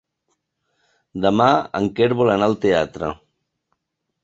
Demà en Quer vol anar al teatre.